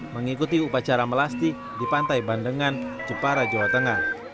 mengikuti upacara melasti di pantai bandengan jepara jawa tengah